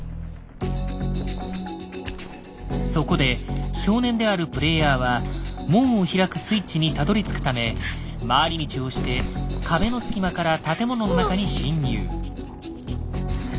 そこで少年であるプレイヤーは門を開くスイッチにたどりつくため回り道をして壁の隙間から建物の中に侵入。